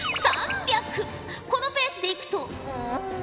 このペースでいくとうん。